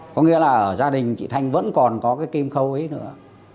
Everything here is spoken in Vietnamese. có nghĩa là ở gia đình chị thanh vẫn còn có cái kim khâu ấy nữa